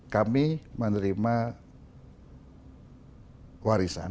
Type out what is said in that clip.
kami menerima warisan